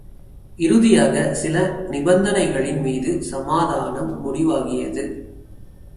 இறுதியாக, சில நிபந்தனைகளின் மீது சமாதானம் முடிவாகியது.